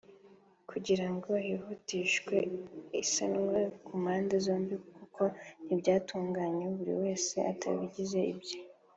kugira ngo hihutishwe isanwa ku mpande zombi kuko ntibyatungana buri wese atabigize ibye